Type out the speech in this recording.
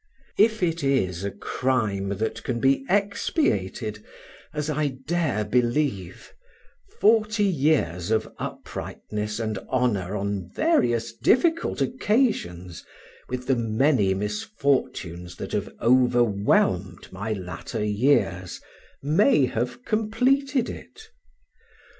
If it is a crime that can be expiated, as I dare believe, forty years of uprightness and honor on various difficult occasions, with the many misfortunes that have overwhelmed my latter years, may have completed it.